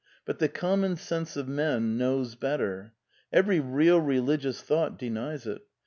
But the common sense of men knows better. Every real religious thought denies it.